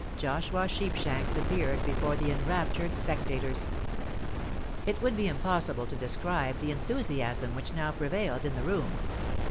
Joshua Sheepshanks appeared before the enraptured spectators. It would be impossible to describe the enthusiasm which now prevailed in the room.